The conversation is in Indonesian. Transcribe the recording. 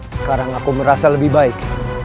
sekarang aku merasa lebih baik